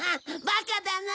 バカだな！